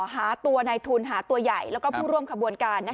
หาตัวในทุนหาตัวใหญ่แล้วก็ผู้ร่วมขบวนการ